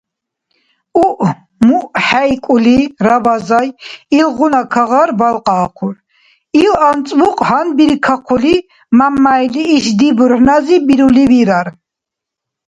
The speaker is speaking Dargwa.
Уъ-муъхӏейкӏули Рабазай илгъуна кагъар балкьаахъур. Ил анцӏбукь гьанбиркахъули Мямяйли ишди бурхӏназиб бурули вирар: